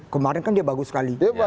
kemarin kan dia bagus sekali